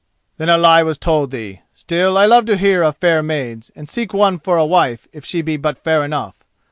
"Then a lie was told thee. Still, I love to hear of fair maids, and seek one for a wife if she be but fair enough.